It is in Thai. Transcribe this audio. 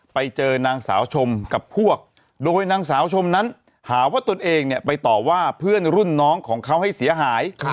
ไปเจอนางสาวชมกับพวกโดยนางสาวชมนั้นหาว่าตนเองเนี่ยไปต่อว่าเพื่อนรุ่นน้องของเขาให้เสียหาย